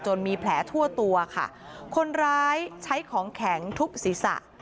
มีแผลทั่วตัวค่ะคนร้ายใช้ของแข็งทุบศีรษะ